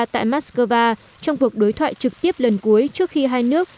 tại moscow trong cuộc đối thoại trực tiếp lần cuối trước khi hai nước